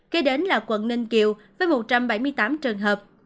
kế đến là quận ninh kiều với một trăm bảy mươi tám trường hợp